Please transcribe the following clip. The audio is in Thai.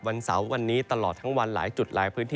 วันเสาร์วันนี้ตลอดทั้งวันหลายจุดหลายพื้นที่